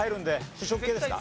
主食系ですか？